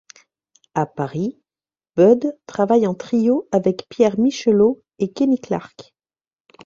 À Paris, Bud travaille en trio avec Pierre Michelot et Kenny Clarke.